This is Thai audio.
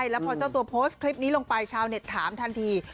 แล้วพอเจ้าตัวโพสต์คลิปนี้ลงไปชาวเน็ตถามทันที